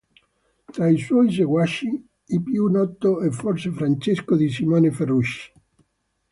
Tra i suoi seguaci, il più noto è forse Francesco di Simone Ferrucci.